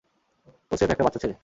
ও স্রেফ একটা বাচ্চা ছেলে।